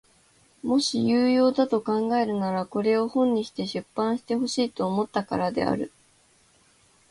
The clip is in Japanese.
もし有用だと考えるならこれを本にして出版してほしいと思ったからである。